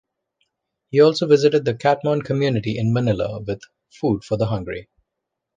He also visited the Catmon community in Manila with Food For The Hungry.